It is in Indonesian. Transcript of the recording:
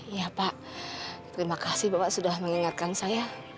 iya pak terima kasih bapak sudah mengingatkan saya